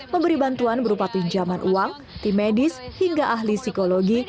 memberi bantuan berupa pinjaman uang tim medis hingga ahli psikologi